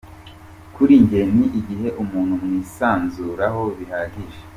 Kuri njye ni igihe umuntu mwisanzuraho bihagije”.